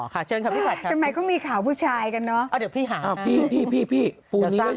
แปลกสิที่ไม่พูด